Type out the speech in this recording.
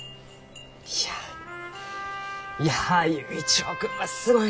いやいや佑一郎君はすごいのう！